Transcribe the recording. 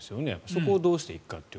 そこをどうしていくかと。